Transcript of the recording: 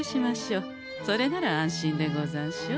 それなら安心でござんしょう？